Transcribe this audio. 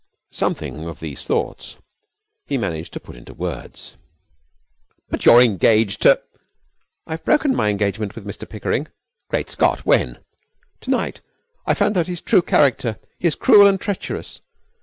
Something of these thoughts he managed to put into words: 'But you're engaged to ' 'I've broken my engagement with Mr Pickering.' 'Great Scot! When?' 'To night. I found out his true character. He is cruel and treacherous.